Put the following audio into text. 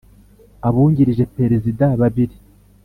Abungirije Perezida babiri